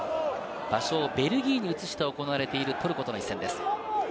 場所をベルギーに移して行われているトルコとの一戦です。